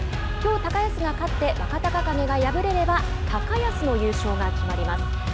きょう高安が勝って若隆景が敗れれば高安の優勝が決まります。